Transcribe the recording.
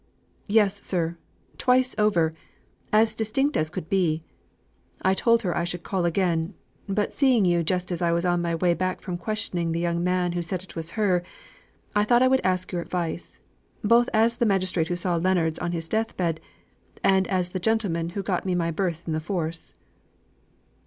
"Yes, sir, twice over, as distinct as could be. I told her I should call again, but seeing you just as I was on my way back from questioning the young man who said it was her, I thought I would ask your advice, both as the magistrate who saw Leonards on his death bed, and as the gentleman who got me my berth in the force."